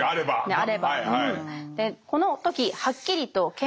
ねあれば。